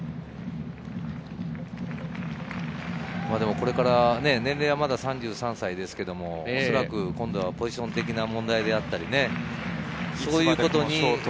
これから年齢はまだ３３歳ですけどおそらく今度はポジション的な問題だったり、そういうことに。